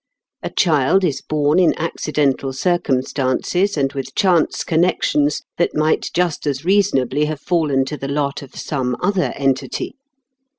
A child is born in accidental circumstances and with chance connections that might just as reasonably have fallen to the lot of some other entity.